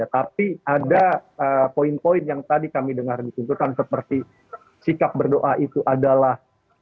tapi ada poin poin yang tadi kami dengar dikumpulkan seperti sikap berdoa itu adalah